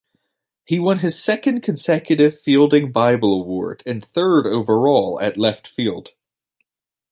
He won his second consecutive Fielding Bible Award and third overall at left field.